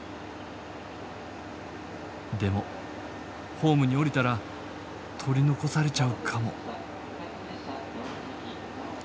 でもホームに降りたら取り残されちゃうかも。